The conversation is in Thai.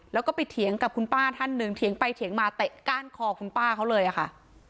แล้วก็ไปเถียงกับคุณป้าท่านหนึ่งเถียงไปเถียงมาเตะก้านคอคุณป้าเขาเลยค่ะ